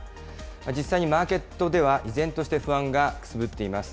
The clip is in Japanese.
実際にマーケットでは、依然として不安がくすぶっています。